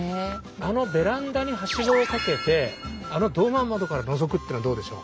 あのベランダにはしごをかけてあのドーマー窓からのぞくっていうのはどうでしょう？